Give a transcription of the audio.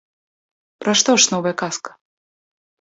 Пра што ж новая казка?